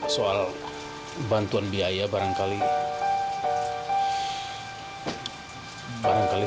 soal bantuan biaya barangkali